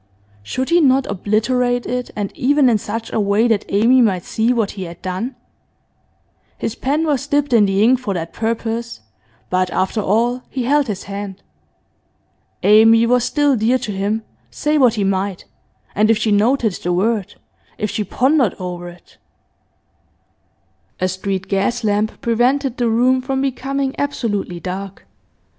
Should he not obliterate it, and even in such a way that Amy might see what he had done? His pen was dipped in the ink for that purpose, but after all he held his hand. Amy was still dear to him, say what he might, and if she noted the word if she pondered over it A street gas lamp prevented the room from becoming absolutely dark.